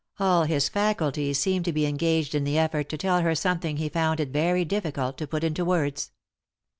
All bis faculties seemed to be engaged in the effort to tell her something he found it very difficult to put into words.